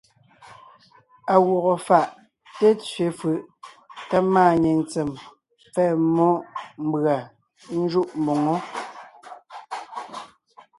À gwɔgɔ fáʼ té tsẅe fʉʼ tá máanyìŋ tsem pfɛ́ɛ mmó mbʉ̀a ńjúʼ mboŋó.